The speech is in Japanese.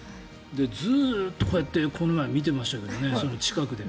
ずっとこうやってこの前見てましたけど、近くで。